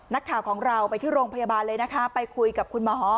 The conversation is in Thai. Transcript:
นักข่าวของเราไปที่โรงพยาบาลเลยนะคะไปคุยกับคุณหมอ